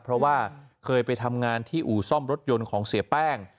เพราะว่าเคยไปทำงานที่อู่ซ่อมรถยนต์ของเสียแป้ง